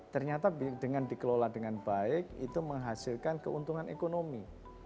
ternyata dengan dikelola dengan baik itu menghasilkan keuntungan ekonomi